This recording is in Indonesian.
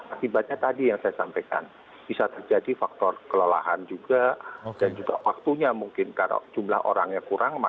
akibatnya tadi yang saya sampaikan bisa terjadi faktor kelolaan juga dan juga waktunya mungkin karena jumlah orangnya yang sudah berada di lapangan